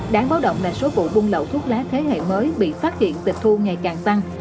đáng báo động là số vụ buôn lậu thuốc lá thế hệ mới bị phát hiện tịch thu ngày càng tăng